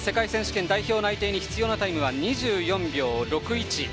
その世界選手権代表内定に必要なタイムは２４秒６１。